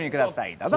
どうぞ。